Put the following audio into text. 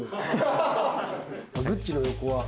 グッチの横は？